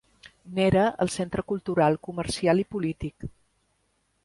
N'era el centre cultural, comercial i polític.